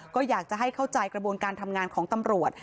ก็อยากจะให้เข้าใจกระบวนการทำงานของตำรวจ